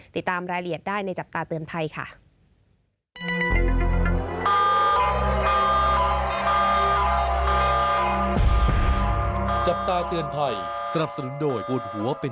ติดตามรายละเอียดได้ในจับตาเตือนภัยค่ะ